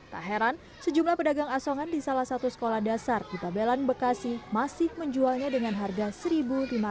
tak heran sejumlah pedagang asongan di salah satu sekolah dasar di pabelan bekasi masih menjualnya dengan harga rp satu lima ratus